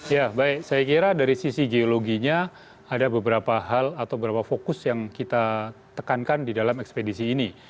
ya baik saya kira dari sisi geologinya ada beberapa hal atau beberapa fokus yang kita tekankan di dalam ekspedisi ini